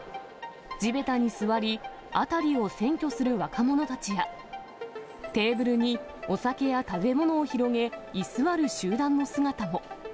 地べたに座り、辺りを占拠する若者たちや、テーブルにお酒や食べ物を広げ、居座る集団の姿も。